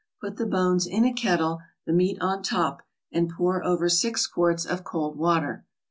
Put the bones in a kettle, the meat on top, and pour over six quarts of cold water.